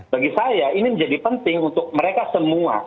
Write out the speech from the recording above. bagi saya ini menjadi penting untuk mereka semua